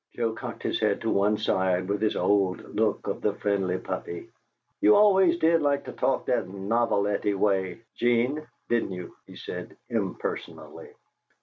Joe cocked his head to one side with his old look of the friendly puppy. "You always did like to talk that noveletty way, 'Gene, didn't you?" he said, impersonally.